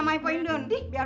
dari seorang anak ke lima an